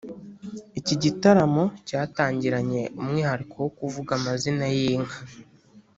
Iki gitaramo cyatangiranye umwihariko wo kuvuga amazina y’inka